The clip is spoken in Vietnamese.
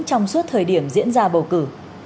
trong suốt thời điểm diễn ra bầu cử